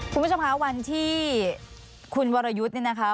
คุณผู้ชมคะวันที่คุณวรยุทธ์เนี่ยนะคะ